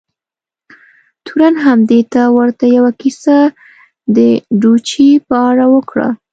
تورن هم دې ته ورته یوه کیسه د ډوچي په اړه وکړه.